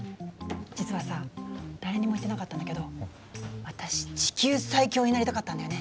実はさ誰にも言ってなかったんだけど私地球最強になりたかったんだよね。